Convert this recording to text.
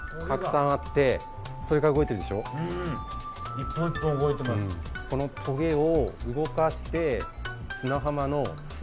一本一本動いてます。